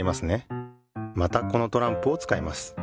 またこのトランプをつかいます。